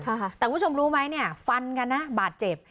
แต่คุณผู้ชมรู้ไหมเนี่ยฟันกันนะบาดเจ็บ